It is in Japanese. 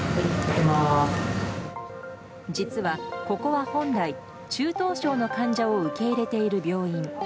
実は、ここは本来中等症の患者を受け入れている病院。